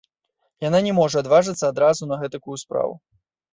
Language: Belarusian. Яна не можа адважыцца адразу на гэтакую справу.